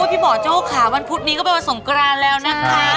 พี่บ่อโจ้ค่ะวันพุธนี้ก็เป็นวันสงกรานแล้วนะคะ